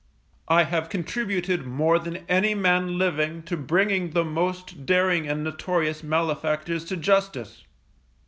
I have contributed more than any man living to bringing the most daring and notorious malefactors to justice.